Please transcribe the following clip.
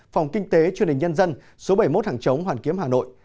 phòng kinh tế chương trình nhân dân số bảy mươi một hàng chống hoàn kiếm hà nội